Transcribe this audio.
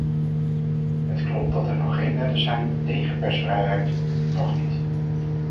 Het klopt dat er nog geen wetten zijn tegen persvrijheid - nog niet.